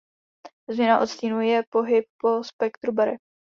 Změna odstínu je pohyb po spektru barev.